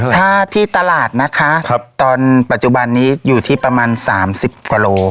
ถ้าที่ตลาดนะคะตอนปัจจุบันนี้อยู่ที่ประมาณ๓๐กว่าโล